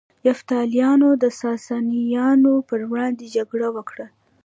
یفتلیانو د ساسانیانو پر وړاندې جګړه وکړه